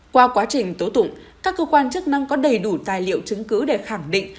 qua quá trình tố tụng các cơ quan chức năng có đầy đủ tài liệu chứng cứ để khẳng định